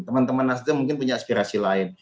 teman teman nasdem mungkin punya aspirasi lain